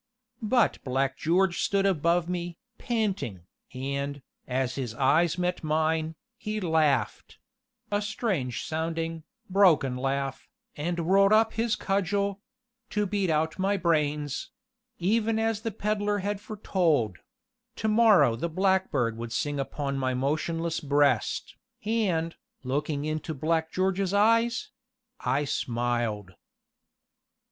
But Black George stood above me, panting, and, as his eyes met mine, he laughed a strange sounding, broken laugh, and whirled up his cudgel to beat out my brains even as the Pedler had foretold to morrow the blackbird would sing upon my motionless breast, and, looking into Black George's eyes I smiled.